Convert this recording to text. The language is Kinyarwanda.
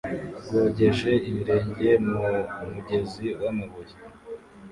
rwogeje ibirenge mu mugezi wamabuye